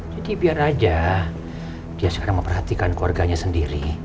jadi biar aja dia sekarang memperhatikan keluarganya sendiri